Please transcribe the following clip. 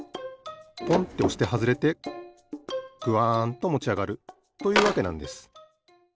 ポンっておしてはずれてグワンともちあがるというわけなんです。